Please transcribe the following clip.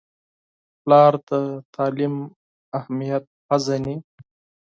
پلار د تعلیم اهمیت پیژني.